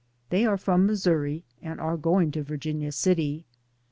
They are from Missouri, and are going to Virginia City.